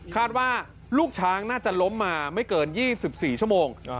ว่าลูกช้างน่าจะล้มมาไม่เกิน๒๔ชั่วโมง